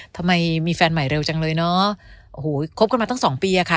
ทำไมมีแฟนใหม่เร็วจังเลยนะครบกันมาตั้ง๒ปีค่ะ